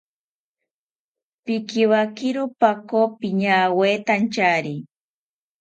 Pikiwakiro ako piñawetantyari